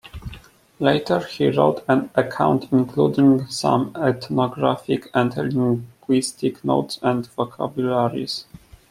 Later he wrote an account including some ethnographic and linguistic notes and vocabularies.